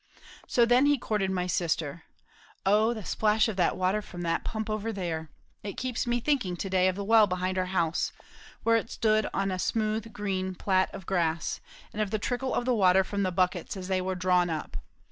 So then he courted my sister. O the splash of that water from the pump over there! it keeps me thinking to day of the well behind our house where it stood on a smooth green plat of grass and of the trickle of the water from the buckets as they were drawn up.